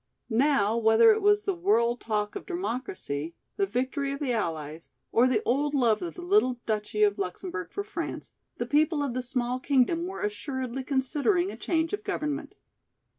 Now, whether it was the world talk of democracy, the victory of the allies, or the old love of the little duchy of Luxemburg for France, the people of the small kingdom were assuredly considering a change of government.